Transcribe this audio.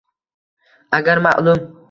agar ma’lum